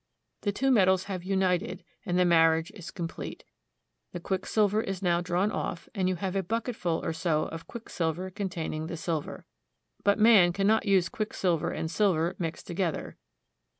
The two metals have united, and the marriage is com plete. The quicksilver is now drawn off, and you have a bucketful or so of quicksilver containing the silver. But man cannot use quicksilver and silver mixed together.